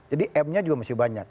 jadi m nya juga mesti banyak